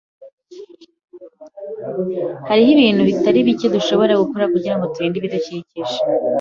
Hariho ibintu bitari bike dushobora gukora kugirango turinde ibidukikije.